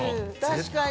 確かに。